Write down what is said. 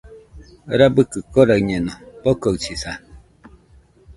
Rabɨkɨ koraɨñeno, bokoɨsisa.